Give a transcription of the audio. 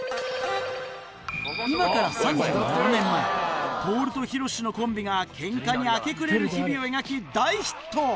今から３７年前トオルとヒロシのコンビがケンカに明け暮れる日々を描き大ヒット！